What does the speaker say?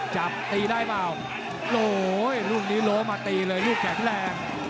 จับตีได้เปล่าโอ้โหลูกนี้โลมาตีเลยลูกแข็งแรง